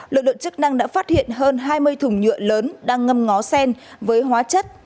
lực lượng chức năng đã phát hiện hơn hai mươi thùng nhựa lớn đang ngâm ngó sen với hóa chất